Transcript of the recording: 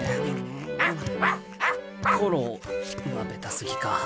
「コロ」はベタすぎか。